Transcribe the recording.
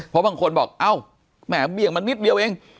เพราะบางคนบอกเอ้าแหมเบี่ยงมันนิดเดียวเอง